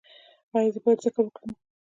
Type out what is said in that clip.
ایا زه باید ذکر وکړم؟